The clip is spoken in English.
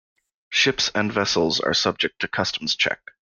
Ships and vessels are subject to customs check.